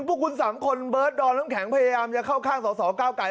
พวกคุณ๓คนเบิร์ตดอมน้ำแข็งพยายามจะเข้าข้างสอสอก้าวไก่